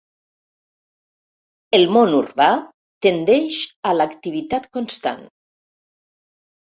El món urbà tendeix a l'activitat constant.